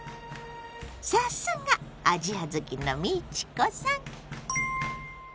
さすがアジア好きの美智子さん！